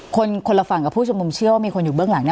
คนคนละฝั่งกับผู้ชุมนุมเชื่อว่ามีคนอยู่เบื้องหลัง